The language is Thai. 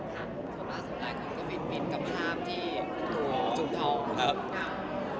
ครับคือภาษาอังกฤษคุณก็จะฟิ้นกับภาพที่ดูทองได้มั้ยครับ